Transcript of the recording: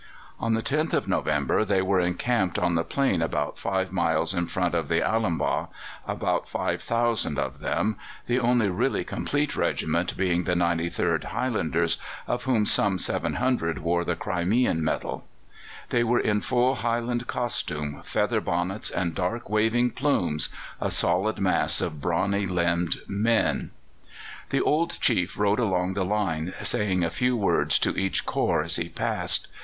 On the 10th of November they were encamped on the plain about five miles in front of the Alumbâgh, about 5,000 of them, the only really complete regiment being the 93rd Highlanders, of whom some 700 wore the Crimean medal. They were in full Highland costume, feather bonnets and dark waving plumes a solid mass of brawny limbed men. The old chief rode along the line, saying a few words to each corps as he passed.